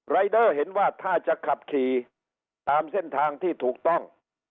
รายเดอร์เห็นว่าถ้าจะขับขี่ตามเส้นทางที่ถูกต้อง